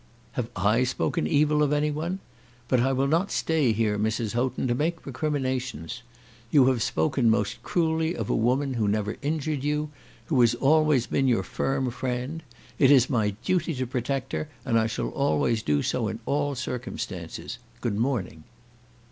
"Have I spoken evil of any one? But I will not stay here, Mrs. Houghton, to make recriminations. You have spoken most cruelly of a woman who never injured you, who has always been your firm friend. It is my duty to protect her, and I shall always do so in all circumstances. Good morning."